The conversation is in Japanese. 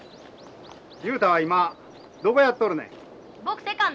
雄太は今どこやっとるねん？